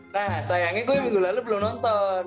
nah sayangnya gue minggu lalu belum nonton